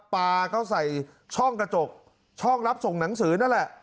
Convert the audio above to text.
ปลาเขาใส่ช่องกระจกช่องรับส่งหนังสือนั่นแหละ